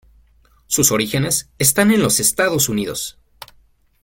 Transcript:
Sus orígenes están en los Estados Unidos.